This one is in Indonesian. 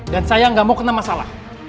dan saya gak mau kena masalah